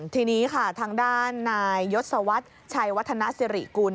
ทีนี้ค่ะทางด้านนายยศวรรษชัยวัฒนสิริกุล